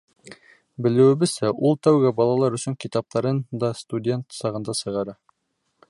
Белеүебеҙсә, ул тәүге балалар өсөн китаптарын да студент сағында сығара.